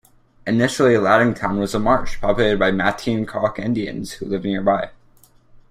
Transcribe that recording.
Initially, Lattingtown was a marsh, populated by Matinecock Indians who lived nearby.